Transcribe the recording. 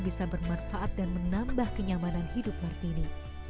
bisa bermanfaat dan menambah kenyamanan hidup martini